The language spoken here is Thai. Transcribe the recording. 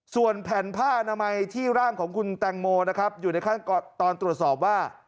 ส่วนแผ่นผ้าอนามัยที่ร่างของคุณแตงโมนะครับอยู่ในขั้นตอนตรวจสอบว่า